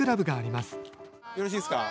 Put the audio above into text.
よろしいですか？